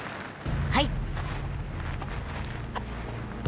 はい！